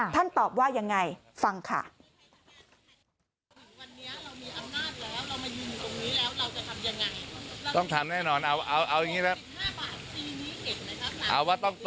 ท่านตอบว่าอย่างไรฟังค่ะ